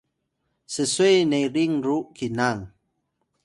sswe nerin ru kinang